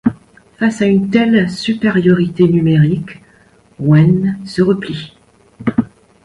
Face à une telle supériorité numérique, Wen se replie.